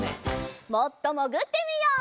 もっともぐってみよう。